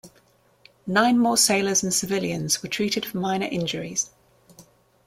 Nine more sailors and civilians were treated for minor injuries.